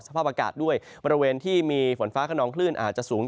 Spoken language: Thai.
สภาพอากาศด้วยบริเวณที่มีฝนฟ้าขนองคลื่นอาจจะสูง